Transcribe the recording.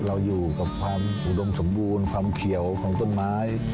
เราอยู่กับความอุดมสมบูรณ์ความเขียวของต้นไม้